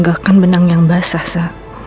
gahkan benang yang basah sa